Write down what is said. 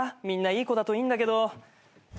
みんないい子だといいんだけど。